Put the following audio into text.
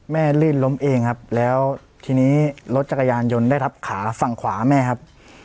ลื่นล้มเองครับแล้วทีนี้รถจักรยานยนต์ได้ทับขาฝั่งขวาแม่ครับ